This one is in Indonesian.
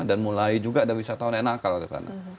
dan mulai juga ada wisatawan enakal kesana